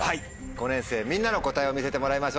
５年生みんなの答えを見せてもらいましょう。